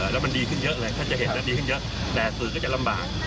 แล้วมันดีขึ้นเยอะเลยถ้าจะเห็นแล้วดีขึ้นเยอะแต่สื่อก็จะลำบาก